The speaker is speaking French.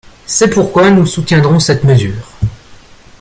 C’est pourquoi nous soutiendrons cette mesure.